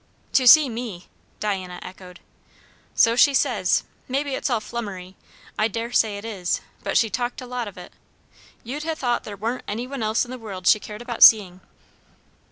"To see me!" Diana echoed. "So she says. Maybe it's all flummery. I daresay it is; but she talked a lot of it. You'd ha' thought there warn't any one else in the world she cared about seeing."